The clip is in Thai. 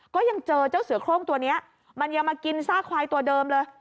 ก็ยังเจอเจ้าเสือโครงตัวนี้มันยังมากินซากควายตัวเดิมเลย